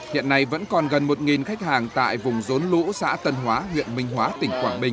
hiện nay vẫn còn gần một khách hàng tại vùng rốn lũ xã tân hóa huyện minh hóa tỉnh quảng bình